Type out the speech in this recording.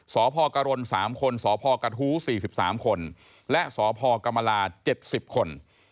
สพก๓คนสพก๔๓คนและสพก๗๐คน